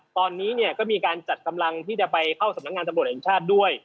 ตอนนี้เนี่ยก็มีการจัดกำลังที่จะไปเข้าสำนักงานตำรวจแห่งชาติด้วย